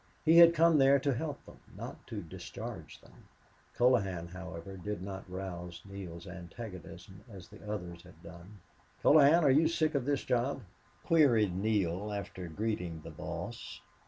He had come there to help them, not to discharge them. Colohan, however, did not rouse Neale's antagonism as the others had done. "Colohan, are you sick of this job?" queried Neale, after greeting the boss.